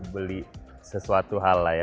beli sesuatu hal lah ya